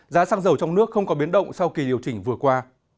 giá xăng dầu trong nước không có biến động sau kỳ điều chỉnh vừa qua